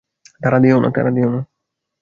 তাড়া দিও না।